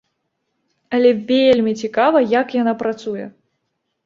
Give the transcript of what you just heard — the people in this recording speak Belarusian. Але вельмі цікава, як яна працуе.